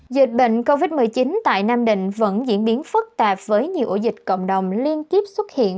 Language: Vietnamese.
dịch bệnh covid một mươi chín tại nam định vẫn diễn biến phức tạp với nhiều ổ dịch cộng đồng liên tiếp xuất hiện